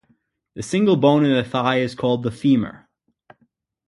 The single bone in the thigh is called the femur.